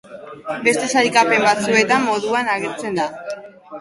Beste sailkapen batzuetan moduan agertzen da.